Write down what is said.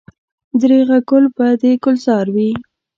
درېغه ګل به د ګلزار وي.